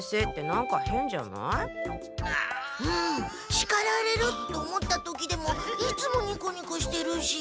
しかられる！？と思った時でもいつもニコニコしてるし。